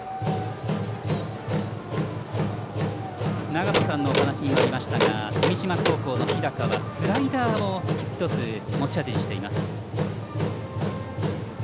長野さんのお話にもありましたが富島高校の日高はスライダーを１つ、持ち味にしています。